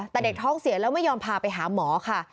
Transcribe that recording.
แต่เด็กท้องเสียแล้วไม่ยอมพาไปหาหมอค่ะ